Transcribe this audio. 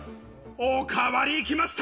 おかわり行きました。